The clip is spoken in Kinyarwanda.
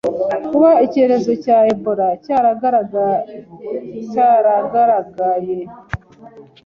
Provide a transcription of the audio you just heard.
Kuba icyorezo cya Ebola cyaragaragaye